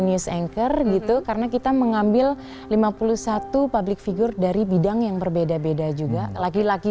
news anchor gitu karena kita mengambil lima puluh satu public figure dari bidang yang berbeda beda juga laki laki